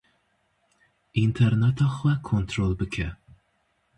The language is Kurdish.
Înterneta xwe kontrol bike.